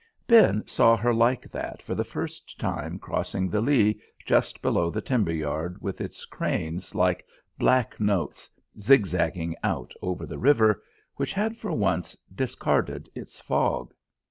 Ben saw her like that for the first time crossing the Lee just below the timber yard with its cranes like black notes zigzagging out over the river, which had for once discarded its fog.